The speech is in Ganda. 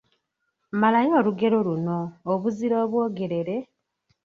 Malayo olugero luno: Obuzira obwogerere, …..